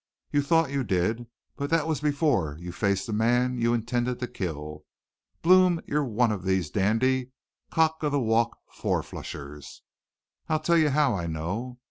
'You thought you did, but that was before you faced the man you intended to kill. Blome, you're one of these dandy, cock of the walk four flushers. I'll tell you how I know.